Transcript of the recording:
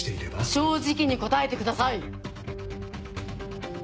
正直に答えてください！